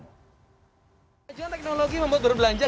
kejadian teknologi membuat berbelanja